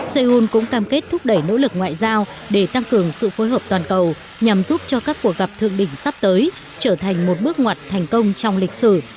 seoul cũng cam kết thúc đẩy nỗ lực ngoại giao để tăng cường sự phối hợp toàn cầu nhằm giúp cho các cuộc gặp thượng đỉnh sắp tới trở thành một bước ngoặt thành công trong lịch sử